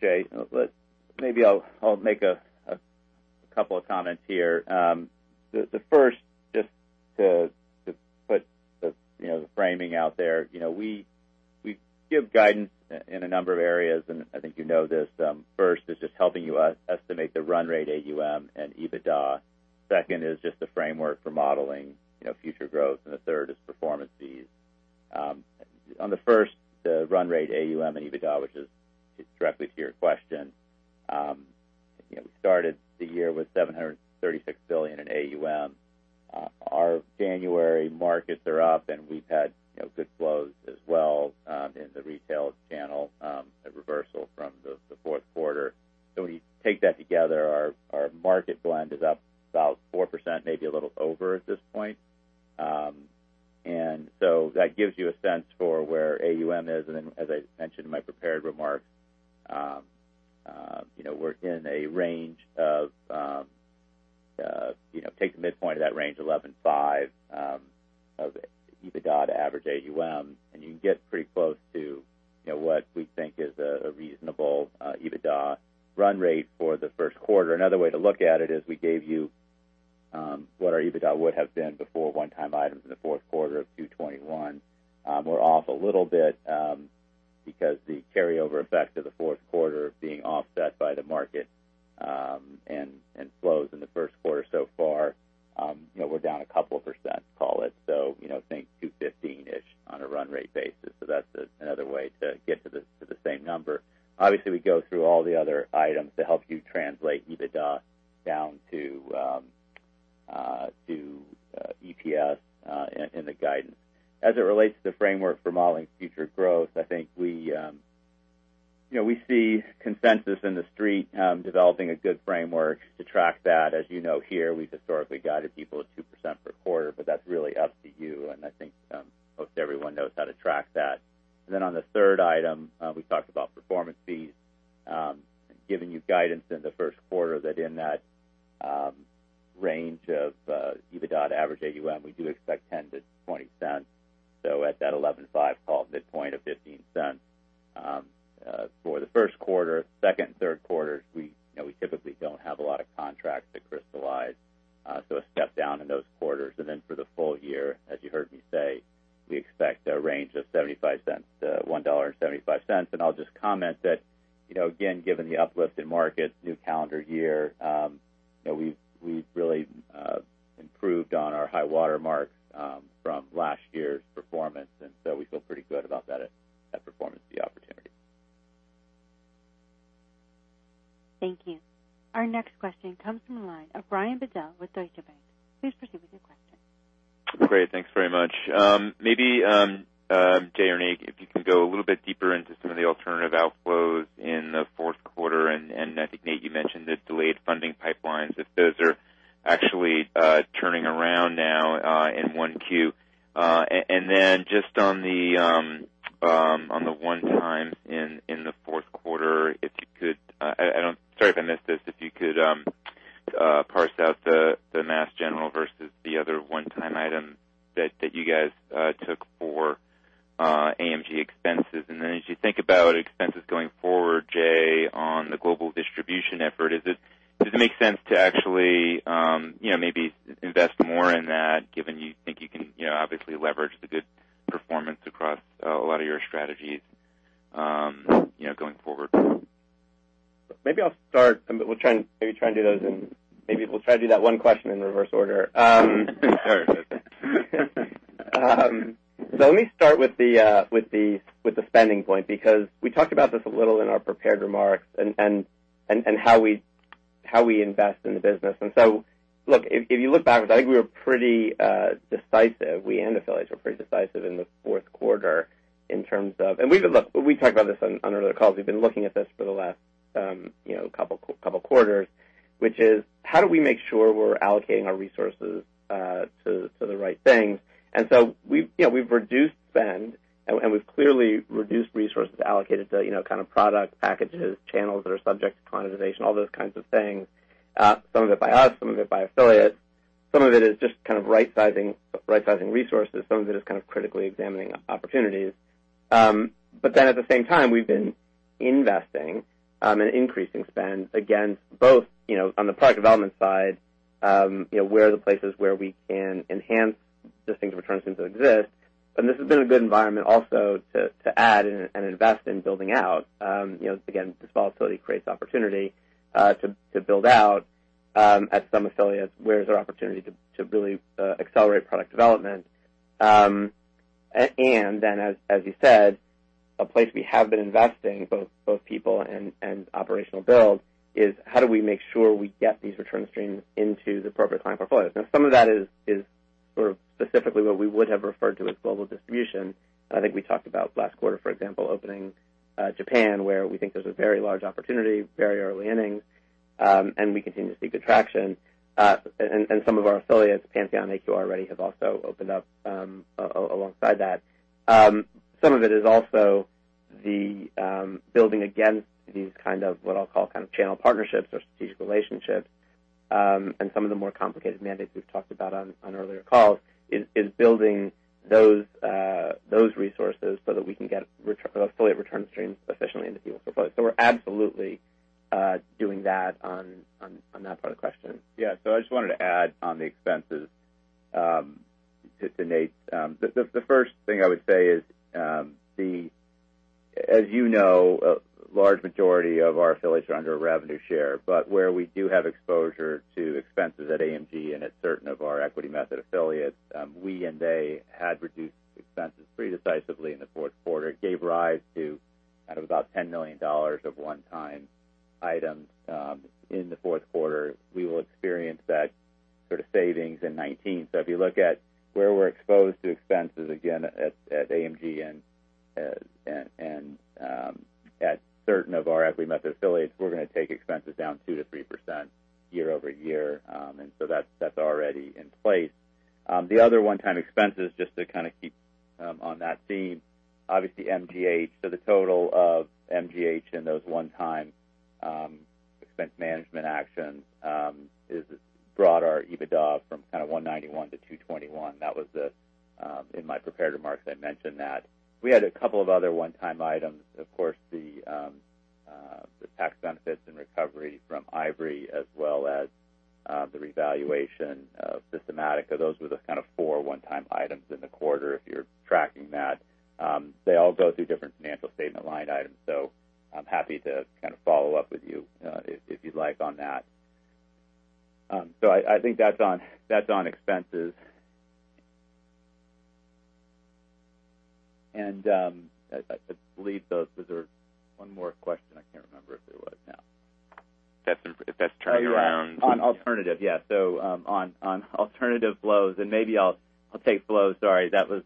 Jay, maybe I'll make a couple of comments here. The first, just to put the framing out there. We give guidance in a number of areas, and I think you know this. First is just helping you estimate the run rate AUM and EBITDA. Second is just the framework for modeling future growth, and the third is performance fees. On the first, the run rate AUM and EBITDA, which is directly to your question. We started the year with $736 billion in AUM. Our January markets are up, and we've had good flows as well in the retail channel, a reversal from the fourth quarter. When you take that together, our market blend is up about 4%, maybe a little over at this point. That gives you a sense for where AUM is. As I mentioned in my prepared remarks, take the midpoint of that range, 11.5 of EBITDA to average AUM, and you can get pretty close to what we think is a reasonable EBITDA run rate for the first quarter. Another way to look at it is we gave you what our EBITDA would have been before one-time items in the fourth quarter of 2021. We're off a little bit because the carryover effect of the fourth quarter being offset by the market and flows in the first quarter so far. We're down a couple of %. Think $215-ish on a run rate basis. That's another way to get to the same number. Obviously, we go through all the other items to help you translate EBITDA down to EPS in the guidance. As it relates to the framework for modeling future growth, I think we see consensus in the Street developing a good framework to track that. As you know here, we've historically guided people at 2% per quarter, but that's really up to you, and I think most everyone knows how to track that. On the third item, we talked about performance fees and giving you guidance in the first quarter that in that range of EBITDA to average AUM, we do expect $0.10 to $0.20. So at that 11.5 call, midpoint of $0.15 for the first quarter. Second and third quarters, we typically don't have a lot of contracts that crystallize, so a step down in those quarters. For the full year, as you heard me say, we expect a range of $0.75 to $1.75. I'll just comment that, again, given the uplift in markets, new calendar year we've really improved on our high water marks from last year's performance, we feel pretty good about that performance fee opportunity. Thank you. Our next question comes from the line of Brian Bedell with Deutsche Bank. Please proceed with your question. Great. Thanks very much. Maybe, Jay or Nate, if you Some of it is just kind of right-sizing resources. Some of it is kind of critically examining opportunities. At the same time, we've been investing and increasing spend, again, both on the product development side where are the places where we can enhance the things that we're trying to exist. This has been a good environment also to add and invest in building out. Again, this volatility creates opportunity to build out at some affiliates where there's opportunity to really accelerate product development. As you said- A place we have been investing both people and operational build is how do we make sure we get these return streams into the appropriate client portfolios? Some of that is specifically what we would have referred to as global distribution. I think we talked about last quarter, for example, opening Japan, where we think there's a very large opportunity, very early innings, and we continue to see good traction. Some of our affiliates, Pantheon, AQR Capital Management, have also opened up alongside that. Some of it is also the building against these what I'll call channel partnerships or strategic relationships. Some of the more complicated mandates we've talked about on earlier calls is building those resources so that we can get affiliate return streams efficiently into people's portfolios. We're absolutely doing that on that part of the question. I just wanted to add on the expenses to Nate. The first thing I would say is, as you know, a large majority of our affiliates are under a revenue share. Where we do have exposure to expenses at AMG and at certain of our equity method affiliates, we and they had reduced expenses pretty decisively in the fourth quarter. It gave rise to about $10 million of one-time items in the fourth quarter. We will experience that sort of savings in 2019. If you look at where we're exposed to expenses, again, at AMG and at certain of our equity method affiliates, we're going to take expenses down 2%-3% year-over-year. That's already in place. The other one-time expenses, just to keep on that theme, obviously MGH. The total of MGH and those one-time expense management actions brought our EBITDA from $191 to $221. In my prepared remarks, I mentioned that. We had a couple of other one-time items. Of course, the tax benefits and recovery from Ivory, as well as the revaluation of Systematica. Those were the four one-time items in the quarter, if you're tracking that. They all go through different financial statement line items. I'm happy to follow up with you, if you'd like, on that. I think that's on expenses. I believe there was one more question. I can't remember if there was. No. That's turnaround- On alternative. On alternative flows, maybe I'll take flows. Sorry, that was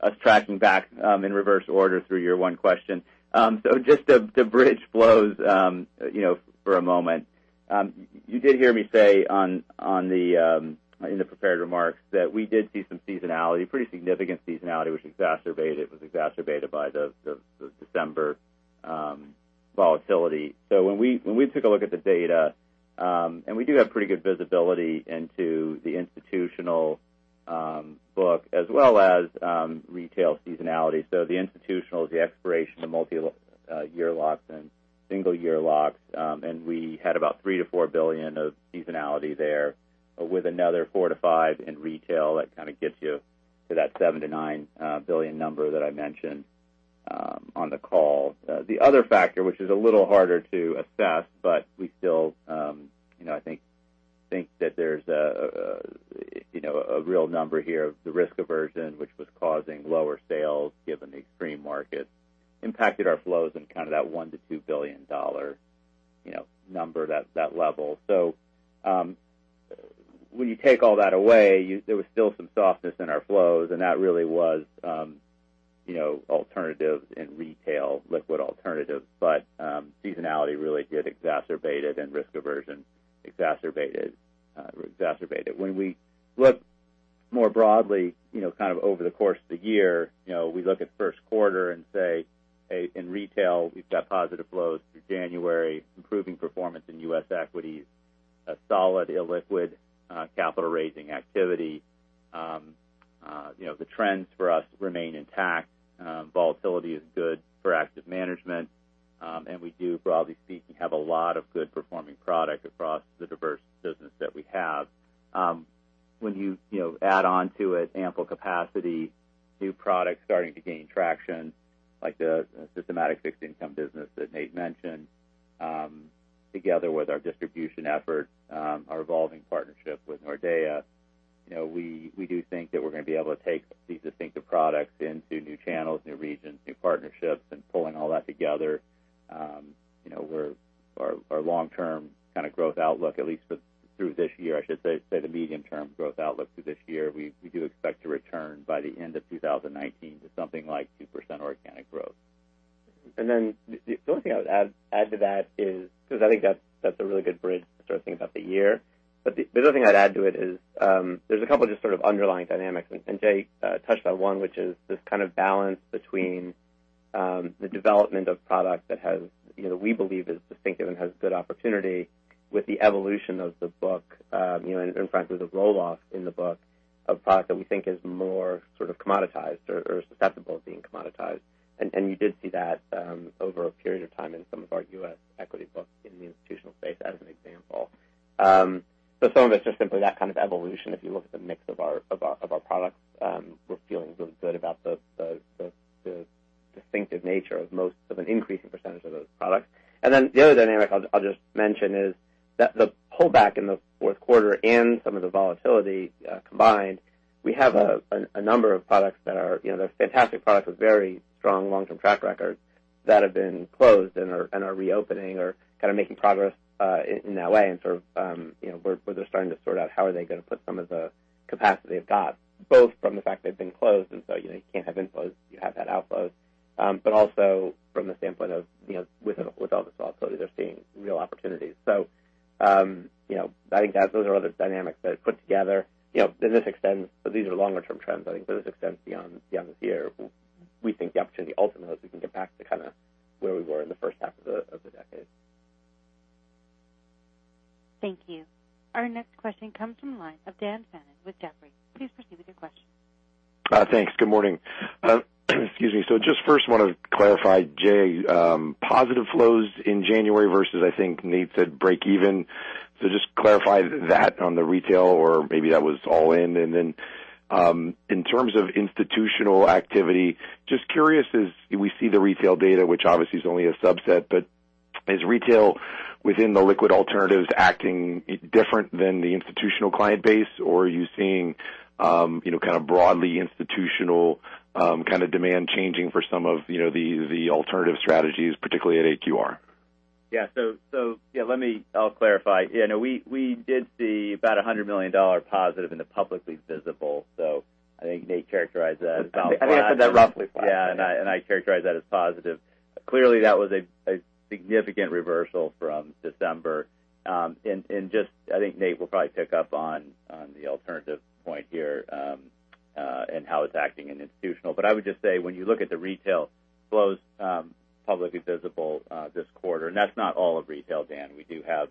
us tracking back in reverse order through your one question. Just to bridge flows for a moment. You did hear me say in the prepared remarks that we did see some seasonality, pretty significant seasonality, which was exacerbated by the December volatility. When we took a look at the data, and we do have pretty good visibility into the institutional book, as well as retail seasonality. The institutional is the expiration of multi-year locks and single-year locks. We had about $3 billion-$4 billion of seasonality there, with another $4 billion-$5 billion in retail. That kind of gets you to that $7 billion-$9 billion number that I mentioned on the call. The other factor, which is a little harder to assess, but we still think that there's a real number here of the risk aversion, which was causing lower sales given the extreme market, impacted our flows in that $1 billion-$2 billion number, that level. When you take all that away, there was still some softness in our flows, and that really was alternatives in retail, liquid alternatives. Seasonality really did exacerbate it, and risk aversion exacerbated it. When we look more broadly over the course of the year, we look at first quarter and say, "Hey, in retail, we've got positive flows through January, improving performance in U.S. equities, a solid illiquid capital-raising activity." The trends for us remain intact. Volatility is good for active management, and we do, broadly speaking, have a lot of good-performing product across the diverse business that we have. When you add onto it ample capacity, new products starting to gain traction, like the Systematica fixed income business that Nate mentioned, together with our distribution efforts, our evolving partnership with Nordea. We do think that we're going to be able to take these distinctive products into new channels, new regions, new partnerships, and pulling all that together. Our long-term kind of growth outlook, at least through this year, I should say the medium-term growth outlook through this year, we do expect to return by the end of 2019 to something like 2% organic growth. The only thing I would add to that is, because I think that's a really good bridge to start thinking about the year. The other thing I'd add to it is there's a couple of just sort of underlying dynamics, and Jay touched on one, which is this kind of balance between the development of product that we believe is distinctive and has good opportunity with the evolution of the book, and frankly, the roll-off in the book of product that we think is more sort of commoditized or susceptible to being commoditized. You did see that over a period of time in some of our U.S. equity books in the institutional space, as an example. Some of it's just simply that kind of evolution. If you look at the mix of our products, we're feeling really good about the distinctive nature of an increasing percentage of those products. The other dynamic I'll just mention is that the pullback in the fourth quarter and some of the volatility combined, we have a number of products that are fantastic products with very strong long-term track record that have been closed and are reopening or making progress in that way, and where they're starting to sort out how are they going to put some of the capacity they've got, both from the fact they've been closed, and so you can't have inflows, you have to have outflows. Also from the standpoint of with all this volatility, they're seeing real opportunities. I think those are other dynamics that put together in this extent, these are longer-term trends. I think those extend beyond this year. We think the opportunity ultimately is we can get back to where we were in the first half of the decade. Thank you. Our next question comes from the line of Daniel Fannon with Jefferies. Please proceed with your question. Thanks. Good morning. Excuse me. Just first want to clarify, Jay, positive flows in January versus I think Nate said break even? Just clarify that on the retail, or maybe that was all in? In terms of institutional activity, just curious as we see the retail data, which obviously is only a subset, but is retail within the liquid alternatives acting different than the institutional client base? Or are you seeing broadly institutional demand changing for some of the alternative strategies, particularly at AQR? Let me clarify. We did see about $100 million positive in the publicly visible. I think Nate characterized that as positive. I said that roughly. Yeah. I characterize that as positive. Clearly, that was a significant reversal from December. Just, I think Nate will probably pick up on the alternative point here, and how it's acting in institutional. I would just say when you look at the retail flows publicly visible this quarter. That's not all of retail, Dan. We do have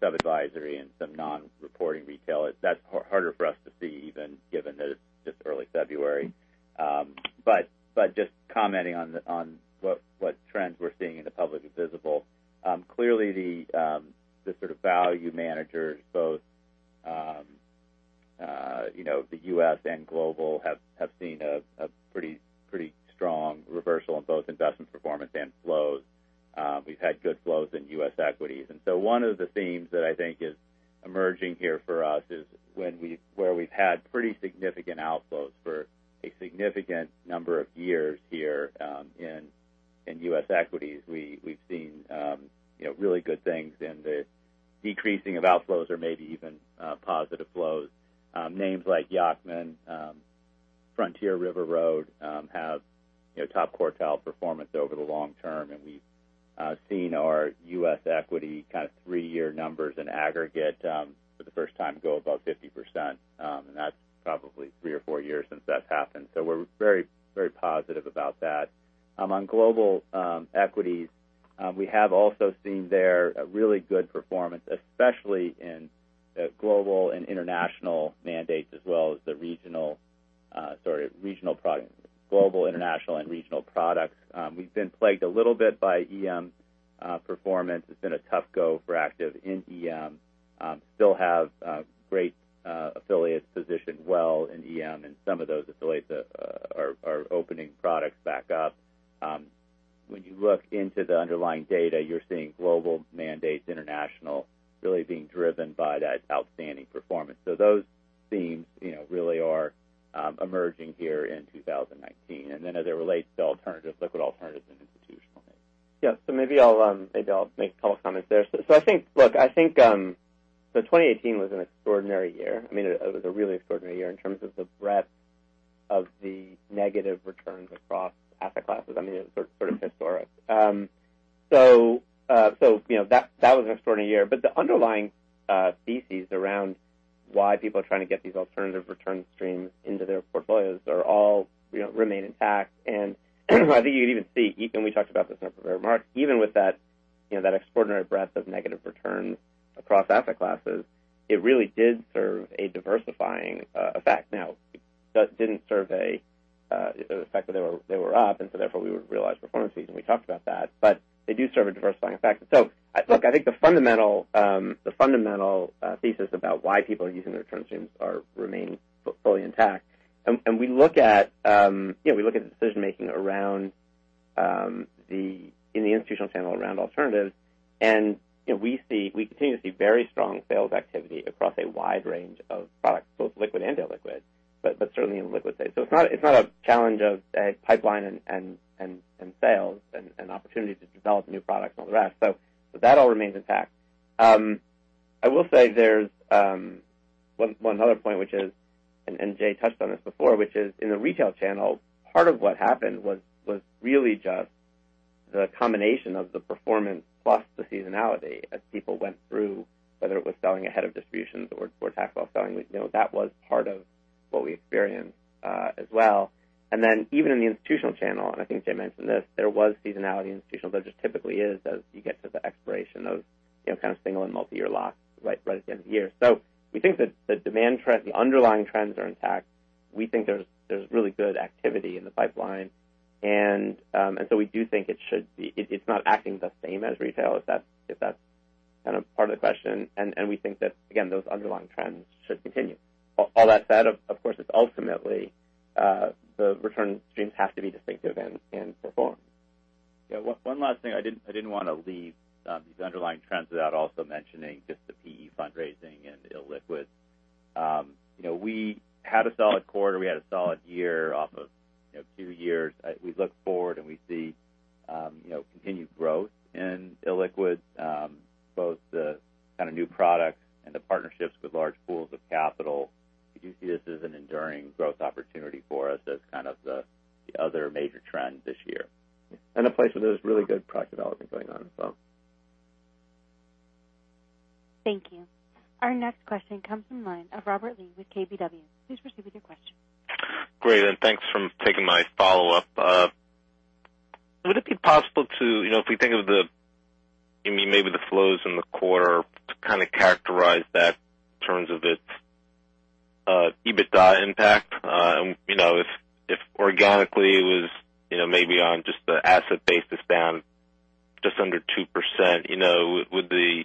sub-advisory and some non-reporting retail. That's harder for us to see even given that it's just early February. Just commenting on what trends we're seeing in the publicly visible. Clearly, the sort of value managers, both the U.S. and global, have seen a pretty strong reversal in both investment performance and flows. We've had good flows in U.S. equities. One of the themes that I think is emerging here for us is where we've had pretty significant outflows for a significant number of years here in U.S. equities, we've seen really good things in the decreasing of outflows or maybe even positive flows. Names like Yacktman, Frontier, River Road have top quartile performance over the long term. We've seen our U.S. equity 3-year numbers in aggregate for the first time go above 50%, and that's probably 3 or 4 years since that's happened. We're very positive about that. On global equities, we have also seen there a really good performance, especially in global and international mandates as well as the regional, sorry, global international and regional products. We've been plagued a little bit by EM performance. It's been a tough go for active in EM. Still have great affiliates positioned well in EM, and some of those affiliates are opening products back up. When you look into the underlying data, you're seeing global mandates international really being driven by that outstanding performance. Those themes really are emerging here in 2019. As it relates to alternatives, liquid alternatives, and institutional, Nate. Maybe I'll make a couple comments there. I think, look, I think 2018 was an extraordinary year. It was a really extraordinary year in terms of the breadth of the negative returns across asset classes. It was sort of historic. That was an extraordinary year, but the underlying thesis around why people are trying to get these alternative return streams into their portfolios all remain intact. I think you can even see, and we talked about this in our prepared remarks, even with that extraordinary breadth of negative returns across asset classes, it really did serve a diversifying effect. Now, that didn't serve an effect that they were up, and therefore we would realize performances, and we talked about that. They do serve a diversifying effect. Look, I think the fundamental thesis about why people are using the return streams remain fully intact. We look at the decision-making in the institutional channel around alternatives, and we continue to see very strong sales activity across a wide range of products, both liquid and illiquid, but certainly in liquid space. It's not a challenge of pipeline and sales and opportunity to develop new products and all the rest. That all remains intact. I will say there's one other point, and Jay touched on this before, which is in the retail channel, part of what happened was really just the combination of the performance plus the seasonality as people went through, whether it was selling ahead of distributions or tax-loss selling. That was part of what we experienced as well. Then even in the institutional channel, I think Jay mentioned this, there was seasonality in institutional. There just typically is as you get to the expiration of kind of single and multi-year locks right at the end of the year. We think that the demand trend, the underlying trends are intact. We think there's really good activity in the pipeline, we do think it's not acting the same as retail, if that's part of the question, and we think that, again, those underlying trends should continue. All that said, of course, it's ultimately the return streams have to be distinctive and perform. Yeah. One last thing. I didn't want to leave these underlying trends without also mentioning just the PE fundraising and illiquid. We had a solid quarter, we had a solid year off of two years. We look forward, we see continued growth in illiquid both the kind of new products and the partnerships with large pools of capital. We do see this as an enduring growth opportunity for us as kind of the other major trend this year. A place where there's really good product development going on as well. Thank you. Our next question comes from the line of Robert Lee with KBW. Please proceed with your question. Great, thanks for taking my follow-up. Would it be possible to, if we think of maybe the flows in the quarter to kind of characterize that in terms of its EBITDA impact? If organically it was maybe on just the asset basis down just under 2%, would the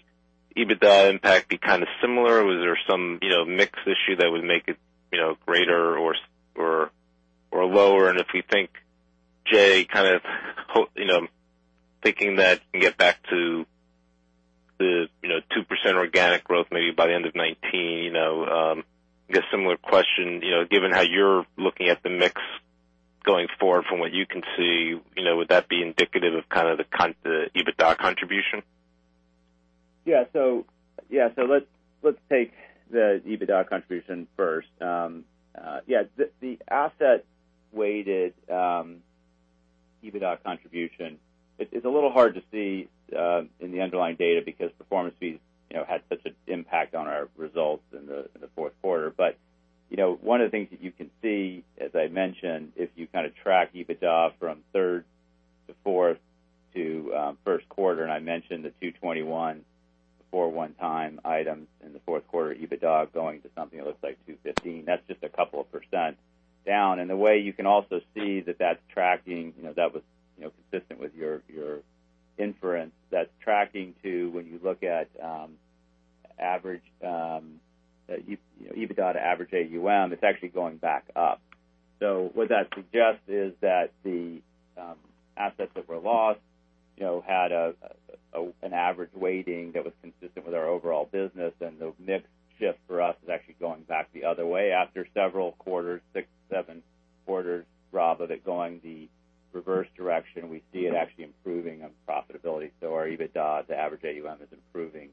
EBITDA impact be kind of similar? Was there some mix issue that would make it greater or lower? If we think, Jay, kind of thinking that and get back to the 2% organic growth maybe by the end of 2019. I guess similar question, given how you're looking at the mix going forward from what you can see, would that be indicative of kind of the EBITDA contribution? Yeah. Let's take the EBITDA contribution first. Yeah. The asset-weighted EBITDA contribution is a little hard to see in the underlying data because performance fees had such an impact on our results in the fourth quarter. One of the things that you can see, as I mentioned, if you kind of track EBITDA from third to fourth to first quarter, I mentioned the $221, the 4 one-time item in the fourth quarter, EBITDA going to something that looks like $215. That's just a couple of % down. The way you can also see that that's tracking, that was consistent with your inference that's tracking to when you look at EBITDA to average AUM, it's actually going back up. What that suggests is that the assets that were lost had an average weighting that was consistent with our overall business. The mix shift for us is actually going back the other way after several quarters, six, seven quarters, Rob, of it going the reverse direction. We see it actually improving on profitability. Our EBITDA to average AUM is improving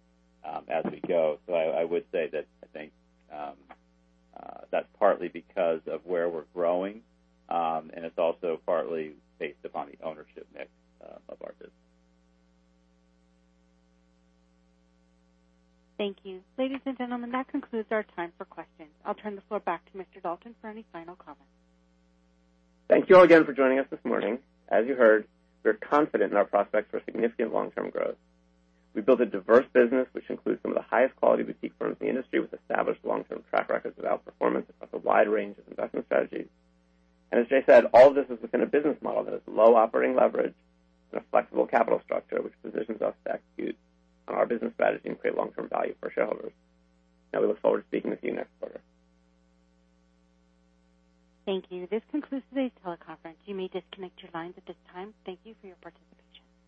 as we go. I would say that I think that's partly because of where we're growing. It's also partly based upon the ownership mix of our business. Thank you. Ladies and gentlemen, that concludes our time for questions. I'll turn the floor back to Mr. Dalton for any final comments. Thank you all again for joining us this morning. As you heard, we're confident in our prospects for significant long-term growth. We built a diverse business, which includes some of the highest quality boutique firms in the industry with established long-term track records of outperformance across a wide range of investment strategies. As Jay said, all this is within a business model that has low operating leverage and a flexible capital structure, which positions us to execute on our business strategy and create long-term value for shareholders. We look forward to speaking with you next quarter. Thank you. This concludes today's teleconference. You may disconnect your lines at this time. Thank you for your participation.